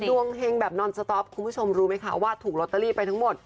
เฮงแบบนอนสต๊อปคุณผู้ชมรู้ไหมคะว่าถูกลอตเตอรี่ไปทั้งหมด